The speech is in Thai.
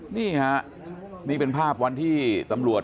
นี่ฮะนี่เป็นภาพวันที่ตำรวจ